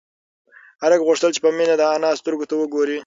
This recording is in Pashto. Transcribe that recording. هلک غوښتل چې په مينه د انا سترگو ته وگوري.